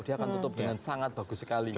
dia akan tutup dengan sangat bagus sekali